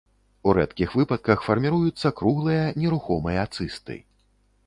У рэдкіх выпадках фарміруюцца круглыя нерухомыя цысты.